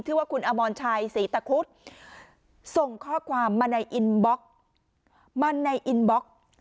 ว่าคุณอมรชัยศรีตะคุดส่งข้อความมาในอินบล็อกมาในอินบล็อก